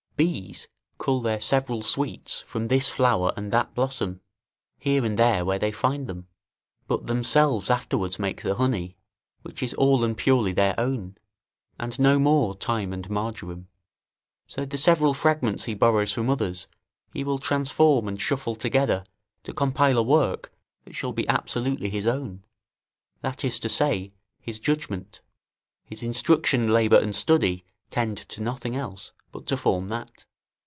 Bees cull their several sweets from this flower and that blossom, here and there where they find them, but themselves afterwards make the honey, which is all and purely their own, and no more thyme and marjoram: so the several fragments he borrows from others, he will transform and shuffle together to compile a work that shall be absolutely his own; that is to say, his judgment: his instruction, labour and study, tend to nothing else but to form that.